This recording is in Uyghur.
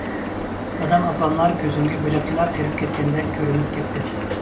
دادام-ئاپاملار كۆزۈمگە بۆلەكچىلا قېرىپ كەتكەندەك كۆرۈنۈپ كەتتى.